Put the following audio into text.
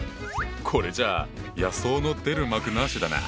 これじゃあ野草の出る幕なしだな。